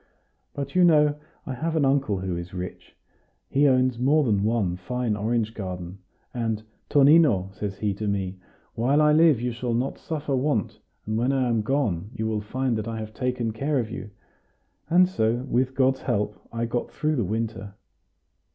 But you know I have an uncle who is rich; he owns more than one fine orange garden; and, 'Tonino,' says he to me, 'while I live you shall not suffer want; and when I am gone you will find that I have taken care of you.' And so, with God's help, I got through the winter."